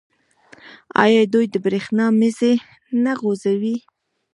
آیا دوی د بریښنا مزي نه غځوي؟